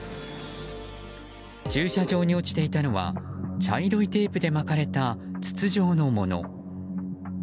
駐車場に落ちていたのは茶色いテープで巻かれた筒状のもの。